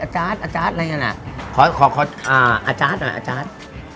อัจจ๊าตอะไรอย่างน่ะขอขออ่าอัจจ๊าตหน่อยอัจจ๊าต